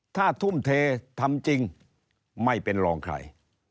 ถ้าทุ่มเททำจริงไม่เป็นรองใคร